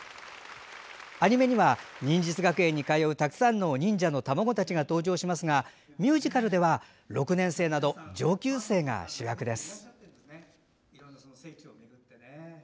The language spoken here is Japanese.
アニメには、忍術学園に通うたくさんの忍者のたまごたちが登場しますがミュージカルでは６年生など上級生が主役です。